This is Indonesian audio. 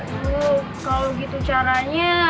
aduh kalau gitu caranya